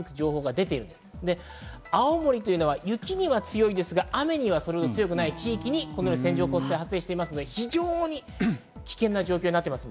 青森は雪には強いですが雨にはそれほど強くない地域にこのような線状降水帯が発生していますので、非常に危険な状態になっています。